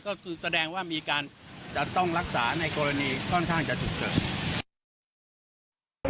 ก็คือแสดงว่ามีการจะต้องรักษาในกรณีค่อนข้างจะฉุกเฉิน